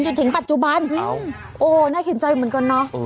จนถึงปัจจุบันโอ้น่าเห็นใจเหมือนกันเนาะ